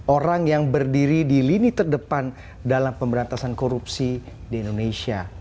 orang yang berdiri di lini terdepan dalam pemberantasan korupsi di indonesia